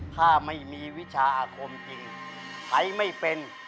ถ้าไม่มีวิชาอาคมจริงใช้ไม่เป็น